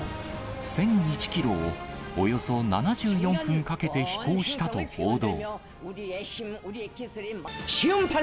１００１キロをおよそ７４分かけて飛行したと報道。